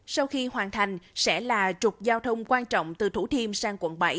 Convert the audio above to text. sau khi hoàn thành sẽ là trục giao thông quan trọng từ thủ thiêm sang quận bảy